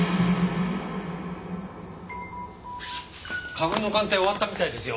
花粉の鑑定終わったみたいですよ。